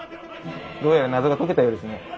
どうやら謎が解けたようですね。